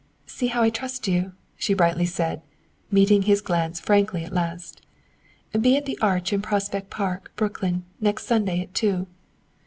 "See how I trust you," she brightly said, meeting his glance frankly at last. "Be at the arch in Prospect Park, Brooklyn, next Sunday at two.